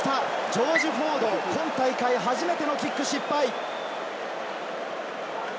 ジョージ・フォード、今大会初めてのキック失敗。